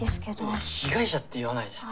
いや「被害者」って言わないで。